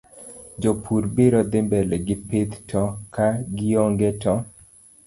Jopur biro dhi mbele gi pith to ka gionge to